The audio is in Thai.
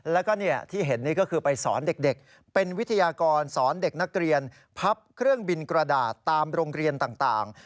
แล้วก็ที่เห็นนี่ก็คือไปสอนเด็กเป็นวิทยากรสอนเด็กนักเรียนพับเครื่องบินกระดาษตามโรงเรียนต่าง